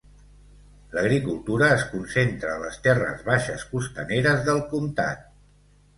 L'agricultura es concentra a les terres baixes costaneres del comtat.